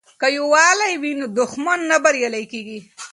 که یووالي وي نو دښمن نه بریالی کیږي.